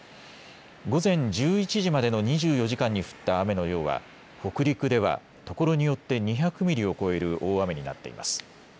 午前１１時までの２４時間に降った雨の量は北陸ではところによって２００ミリを超える大雨になっています。